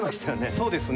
そうですね。